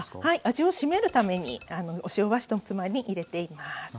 はい味を締めるためにお塩は１つまみ入れています。